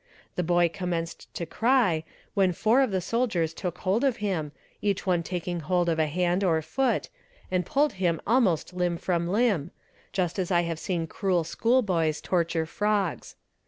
The boy commenced to cry, when four of the soldiers took hold of him, each one taking hold of a hand or foot, and pulled him almost limb from limb just as I have seen cruel schoolboys torture frogs.